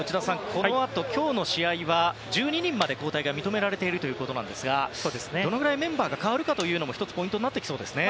このあと、今日の試合は１２人まで交代が認められているということですがどのぐらいメンバーが代わるかも１つポイントになりそうですね。